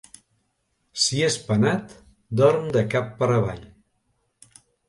Si és penat dorm de cap per avall.